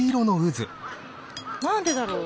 なんでだろう？